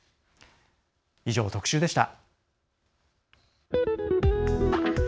以上、特集でした。